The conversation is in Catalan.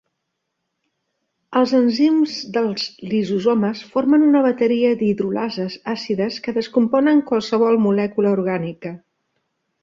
Els enzims dels lisosomes, formen una bateria d'hidrolases àcides, que descomponen qualsevol molècula orgànica.